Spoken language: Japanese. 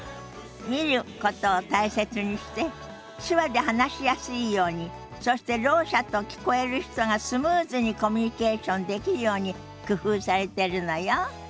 見ることを大切にして手話で話しやすいようにそしてろう者と聞こえる人がスムーズにコミュニケーションできるように工夫されてるのよ。